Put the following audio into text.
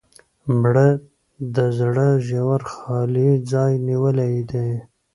مړه د زړه ژور خالي ځای نیولې ده